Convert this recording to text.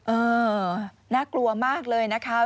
เออน่ากลัวมากเลยนะคะ